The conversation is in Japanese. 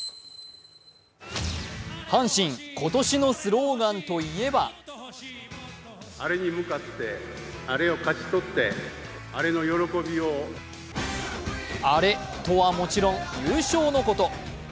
阪神、今年のスローガンといえばアレとは、もちろん優勝のこと。